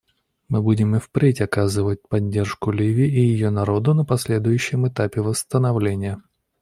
Мы будем и впредь оказывать поддержку Ливии и ее народу на последующем этапе восстановления.